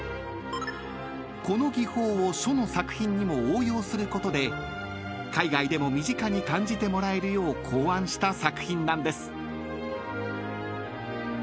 ［この技法を書の作品にも応用することで海外でも身近に感じてもらえるよう考案した作品なんです］